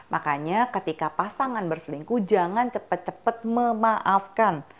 makanya ketika pasangan berselingkuh jangan cepat cepat memaafkan